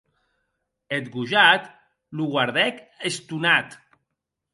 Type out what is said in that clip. Eth gojat lo guardèc estonat.